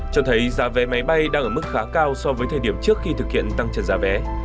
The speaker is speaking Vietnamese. cho thấy giá vé máy bay đang ở mức khá cao so với thời điểm trước khi thực hiện tăng trần giá vé